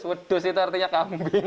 wadus itu artinya kambing